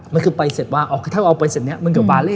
มันคือใบเสร็จว่าถ้าเอาใบเสร็จนี้มันเกือบบาร์เล่